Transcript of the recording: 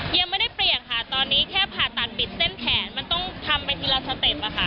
ยังไม่ได้เปลี่ยนค่ะตอนนี้แค่ผ่าตัดบิดเส้นแขนมันต้องทำไปทีละสเต็ปอะค่ะ